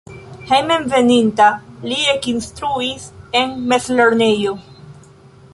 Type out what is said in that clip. Hejmenveninta li ekinstruis en mezlernejo.